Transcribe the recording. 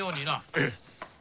ええ。